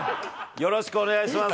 よろしくお願いします。